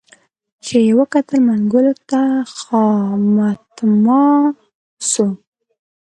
چي یې وکتل منګول ته خامتما سو